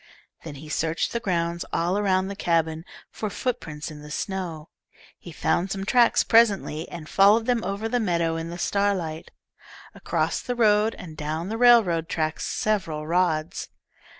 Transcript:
Then he searched the ground, all around the cabin, for footprints in the snow. He found some tracks presently, and followed them over the meadow in the starlight, across the road, and down the railroad track several rods.